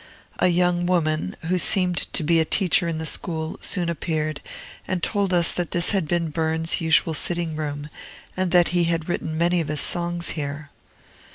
A young woman, who seemed to be a teacher in the school, soon appeared, and told us that this had been Burns's usual sitting room, and that he had written many of his songs here.